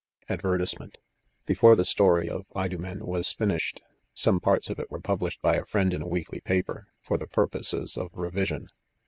ADVERTISEMENT, Before the story of Idomea'' 9 was finished, some parts of it were published bjr a friend In a weekly paper, for the pur poses of i'iiYJsioa.